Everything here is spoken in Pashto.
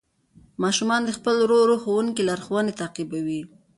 ماشومان د خپل ورو ورو ښوونکي لارښوونې تعقیبوي